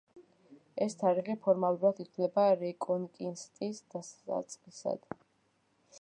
ეს თარიღი ფორმალურად ითვლება რეკონკისტის დასაწყისად.